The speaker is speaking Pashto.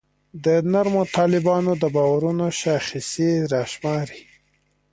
د نرمو طالبانو د باورونو شاخصې راشماري.